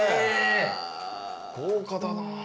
豪華だな。